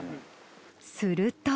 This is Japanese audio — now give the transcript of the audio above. すると。